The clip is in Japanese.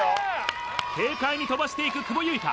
軽快に飛ばしていく久保結花